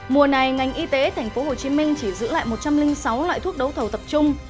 mùa này ngành y tế tp hcm chỉ giữ lại một trăm linh sáu loại thuốc đấu thầu tập trung